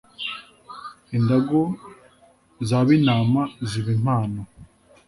indagu za binama ziba impamo